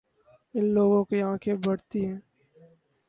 اِن لوگوں کی آنکھیں بڑی ہیں